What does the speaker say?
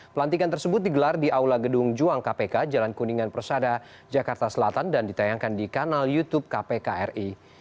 pelantikan tersebut digelar di aula gedung juang kpk jalan kuningan persada jakarta selatan dan ditayangkan di kanal youtube kpk ri